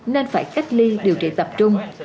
nên phải cách ly điều trị tập trung